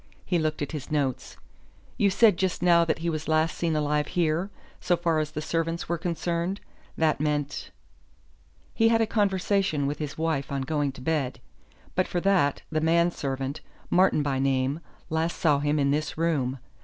He looked at his notes. "You said just now that he was last seen alive here, 'so far as the servants were concerned.' That meant ?" "He had a conversation with his wife on going to bed. But for that, the man servant, Martin by name, last saw him in this room.